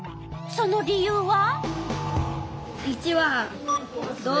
その理由は？